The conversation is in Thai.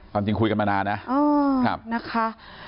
ความจริงคุยกันมานานนะนะคะ